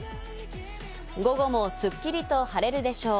午後もスッキリと晴れるでしょう。